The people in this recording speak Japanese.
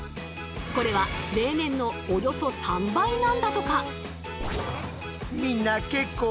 これは例年のおよそ３倍なんだとか！